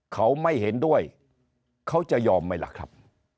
เขาไม่เห็นด้วยเขาจะยอมไหมล่ะครับ